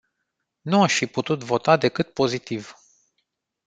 Nu aș fi putut vota decât pozitiv.